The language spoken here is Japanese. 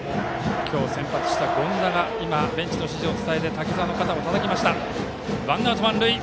今日先発した権田がベンチの指示を伝えて滝沢の肩をたたきました。